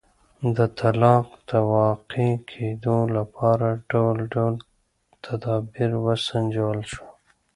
د طلاق د واقع کېدو لپاره ډول ډول تدابیر وسنجول شول.